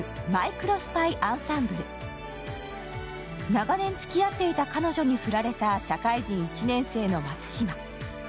長年つきあっていた彼女に振られた社会人１年生の松嶋。